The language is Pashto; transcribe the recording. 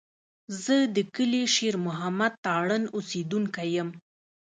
زه د کلي شېر محمد تارڼ اوسېدونکی یم.